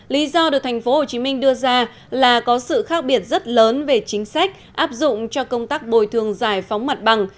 lý do được thành phố hồ chí minh đưa ra là có sự khác biệt rất lớn về chính sách áp dụng cho công tác bồi thường giải phóng mặt bằng